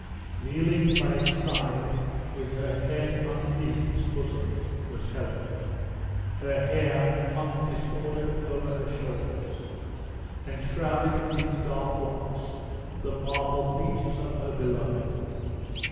Kneeling by its side, with her head on its bosom, was Helen. Her hair hung disordered over her shoulders, and shrouded with its dark locks the marble features of her beloved.